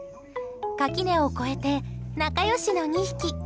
垣根を越えて仲良しの２匹。